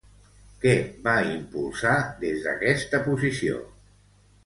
Què va impulsar des d'aquesta posició?